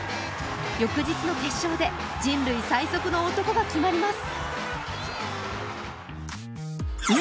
翌日の決勝で人類最速の男が決まります。